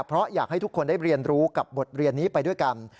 เพราะอยากให้ทุกคนได้เรียนรู้กับบทเรียนนี้ไปด้วยกัน